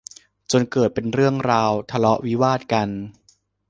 จนเกิดเป็นเรื่องราวทะเลาะวิวาทกัน